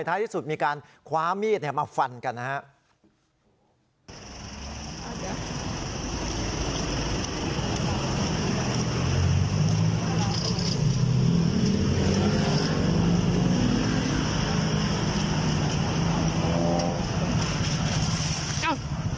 ที่สุดมีการคว้ามีดมาฟันกันนะครับ